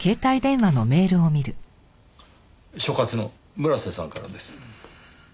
所轄の村瀬さんからです。